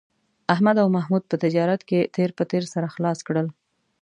احمد او محمود په تجارت کې تېر په تېر سره خلاص کړل